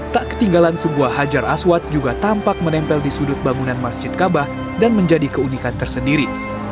tak ketinggalan sebuah hajar aswad juga tampak menempel di sudut bangunan masjid kabah dan menjadi keunikan tersendiri